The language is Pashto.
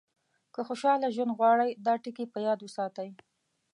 که خوشاله ژوند غواړئ دا ټکي په یاد وساتئ.